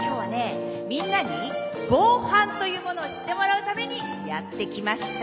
みんなに防犯というものを知ってもらうためにやって来ました。